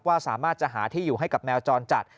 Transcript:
สามารถจะหาที่อยู่ให้กับแมวจรจัด